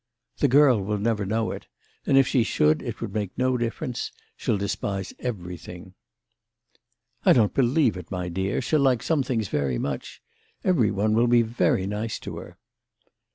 "The girl will never know it—and if she should it would make no difference: she'll despise everything." "I don't believe it, my dear; she'll like some things very much. Every one will be very nice to her."